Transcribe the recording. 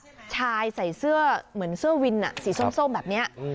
ชายใส่เสื้อเหมือนเสื้อวินสีส้มแบบนี้